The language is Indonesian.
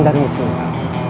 dari istri kamu